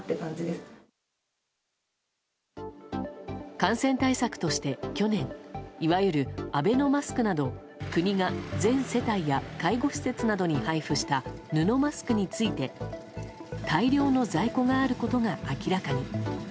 感染対策として去年いわゆるアベノマスクなど国が、全世帯や介護施設などに配布した布マスクについて大量の在庫があることが明らかに。